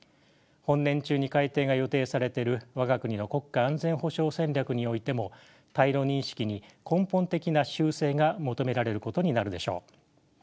本年中に改訂が予定されている我が国の国家安全保障戦略においても対ロ認識に根本的な修正が求められることになるでしょう。